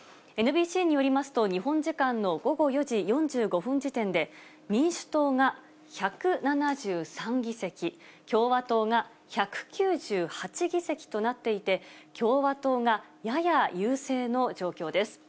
ＮＢＣによりますと、日本時間の午後４時４５分時点で、民主党が１７３議席、共和党が１９８議席となっていて、共和党がやや優勢の状況です。